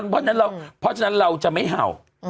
เราพูดตั้งแต่แรกแล้วเพราะฉะนั้นเราจะไม่เห่า